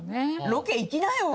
ロケ行きなよ！